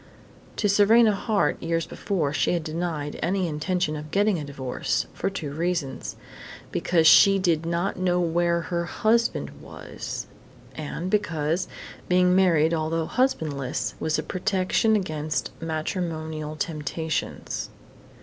To Serena Hart, years before, she had denied any intention of getting a divorce, for two reasons because she did not know where her husband was, and because, being married although husbandless, was a protection against matrimonial temptations.